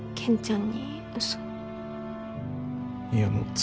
ん？